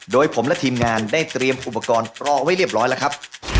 โดยผมและทีมงานได้เตรียมอุปกรณ์รอไว้เรียบร้อยแล้วครับ